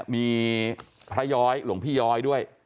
มีพระย้อยหลวงพี่ย้อยด้วย